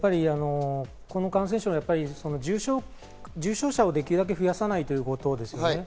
この感染症はやっぱり重症者をできるだけ増やさないということですね。